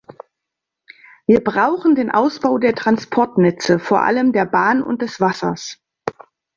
Wir brauchen den Ausbau der Transportnetze, vor allem der Bahn und des Wassers.